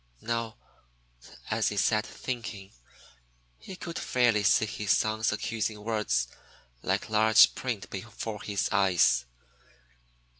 Now as he sat thinking, he could fairly see his son's accusing words like large print before his eyes.